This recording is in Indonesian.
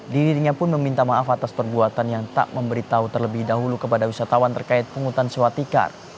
dirinya pun meminta maaf atas perbuatan yang tak memberitahu terlebih dahulu kepada wisatawan terkait penghutan sewa tikar